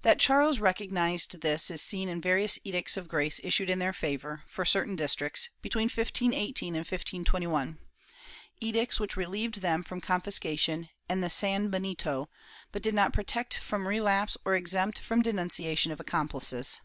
That Charles recognized this is seen in various Edicts of Grace issued in their favor, for certain districts, between 1518 and 1521, edicts which relieved them from confis cation and the sanbenito but did not protect from relapse or exempt from denunciation of accomplices.